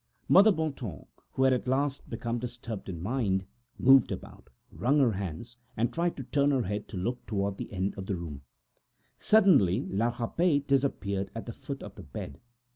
Mother Bontemps, who was at last most disturbed in mind, moved about, wrung her hands, and tried to turn her head to look at the other end of the room. Suddenly La Rapet disappeared at the foot of the bed.